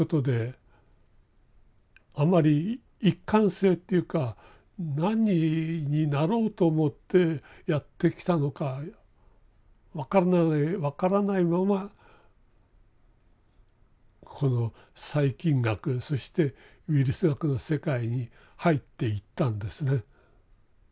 あんまり一貫性っていうか何になろうと思ってやってきたのか分からないままこの細菌学そしてウイルス学の世界に入っていったんですね。